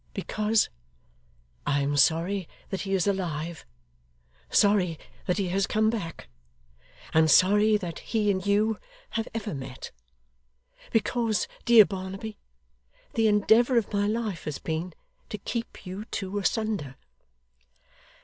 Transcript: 'Because I am sorry that he is alive; sorry that he has come back; and sorry that he and you have ever met. Because, dear Barnaby, the endeavour of my life has been to keep you two asunder.